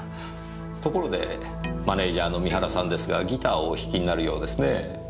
ところでマネージャーの三原さんですがギターをお弾きになるようですねぇ。